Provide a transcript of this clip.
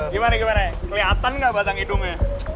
gimana gimana kelihatan gak batang hidungnya